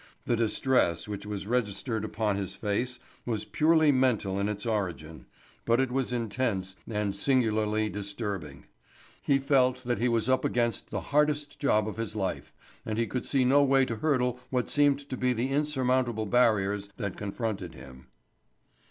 The distress which was registered upon his face was purely mental in its origin, but it was intense and singularly disturbing. He felt that he was up against the hardest job of his life and he could see no way to hurdle what seemed to be the insurmountable barriers that confronted him.